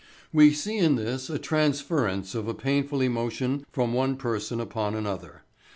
We see in this a "transference" of a painful emotion from one person upon another.